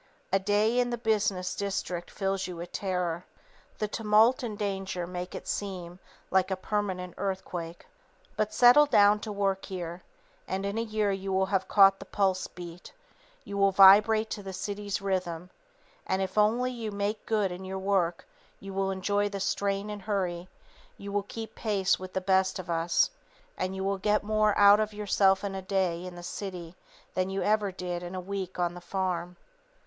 A day in the business district fills you with terror. The tumult and danger make it seem "like a permanent earthquake." But settle down to work here. And in a year you will have "caught the pulse beat," you will "vibrate to the city's rhythm," and if you only "make good" in your work, you will enjoy the strain and hurry, you will keep pace with the best of us, and you will get more out of yourself in a day in the city than you ever did in a week on the farm.